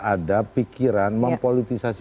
ada pikiran mempolitisasi